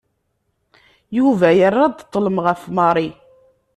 Yuba yerra-d ṭlem ɣef Mary.